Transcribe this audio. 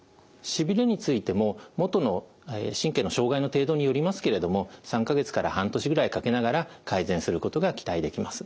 しびれについてももとの神経の障害の程度によりますけれども３か月から半年ぐらいかけながら改善することが期待できます。